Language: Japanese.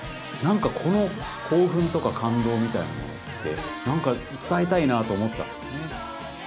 何かこの興奮とか感動みたいなものって何か伝えたいなと思ったんですね。